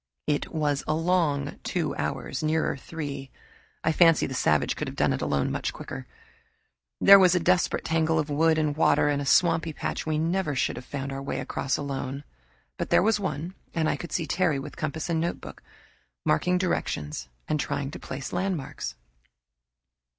It was a long two hours, nearer three. I fancy the savage could have done it alone much quicker. There was a desperate tangle of wood and water and a swampy patch we never should have found our way across alone. But there was one, and I could see Terry, with compass and notebook, marking directions and trying to place landmarks.